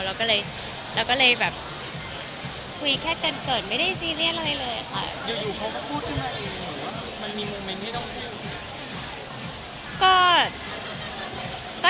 เราก็เลยแบบคุยแค่เกิดเเกิดไม่ได้ซีเรียสเลยเลยค่ะ